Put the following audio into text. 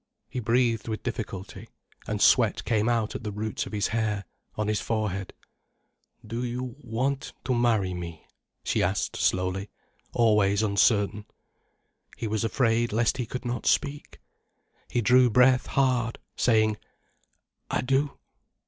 He breathed with difficulty, and sweat came out at the roots of his hair, on his forehead. "Do you want to marry me?" she asked slowly, always uncertain. He was afraid lest he could not speak. He drew breath hard, saying: "I do."